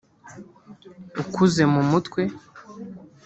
ukuze mu mutwe